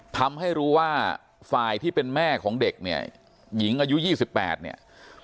ทำให้รู้ว่าฝ่ายที่เป็นแม่ของเด็กเนี่ยหญิงอายุ๒๘เนี่ย